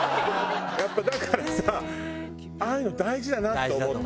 やっぱだからさああいうの大事だなって思った。